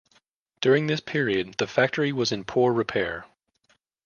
During this period, the factory was in poor repair.